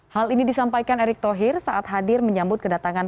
hal ini disampaikan erick thohir saat hadir menyambut kedatangan